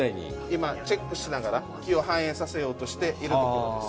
今チェックしながら木を反映させようとしているところです。